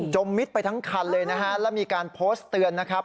มมิดไปทั้งคันเลยนะฮะแล้วมีการโพสต์เตือนนะครับ